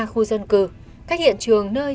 khu dân cư cách hiện trường nơi